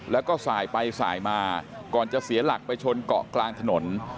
แล้วก็สายไปสายมาก่อนจะเสียหลักไปชนเกาะกลางถนน